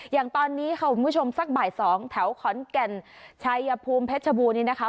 อย่างตอนนี้ค่ะคุณผู้ชมสักบ่าย๒แถวขอนแก่นชัยภูมิเพชรชบูรณนี้นะคะ